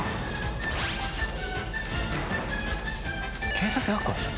警察学校でしょ？